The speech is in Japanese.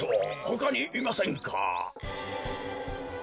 ほかにいませんか？